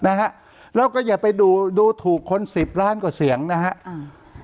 นะฮะแล้วก็อย่าไปดูดูถูกคนสิบล้านกว่าเสียงนะฮะอ่า